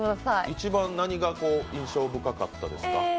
一番何が印象深かったですか？